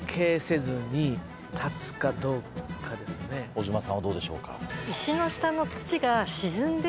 尾嶋さんはどうでしょうか？